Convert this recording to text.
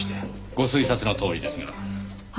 ご推察のとおりですが。